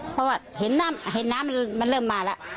เพราะว่าเห็นน้ำมันเริ่มมาแล้ว